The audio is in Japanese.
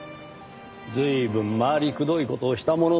随分回りくどい事をしたものですねぇ。